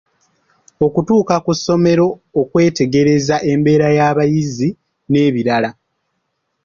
Okutuuka ku ssomero okwetegereza embeera y'abayizi n'ebirala.